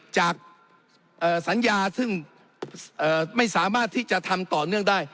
จากสัญญาซึ่งไม่สามารถที่จะทำต่อเนื่องได้